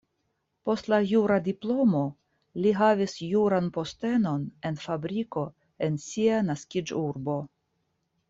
Post la jura diplomo li havis juran postenon en fabriko en sia naskiĝurbo.